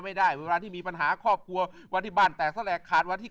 ไม่ได้เวลาที่มีปัญหาครอบครัววันที่บ้านแตกแสลกขาดวันที่